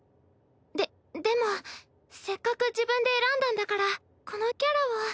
ででもせっかく自分で選んだんだからこのキャラを。